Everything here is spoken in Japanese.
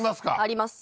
あります